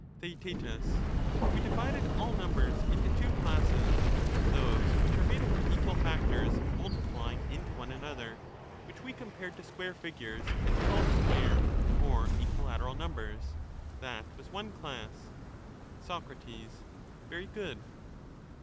Theaet We divided all numbers into two classes: those which are made up of equal factors multiplying into one another, which we compared to square figures and called square or equilateral numbers ;— that was one class. Soc. Very good.